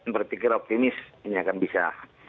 berpikir optimis ini akan bisa